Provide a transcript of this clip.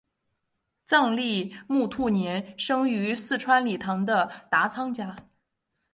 藏历木兔年生于四川理塘的达仓家。